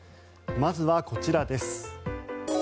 まずは、こちらです。